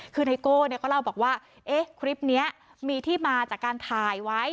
คือไนโก้ก็เล่าบอกว่าคลิปนี้มีที่มาจากการถ่ายไว้